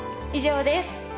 以上です。